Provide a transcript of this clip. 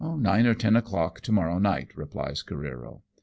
" Nine or ten o'clock to morrow night," replies Careero.